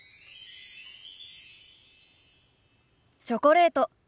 チョコレート。